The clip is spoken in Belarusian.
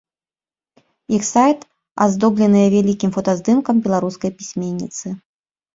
Іх сайт аздобленыя вялікім фотаздымкам беларускай пісьменніцы.